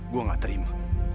gua gak terima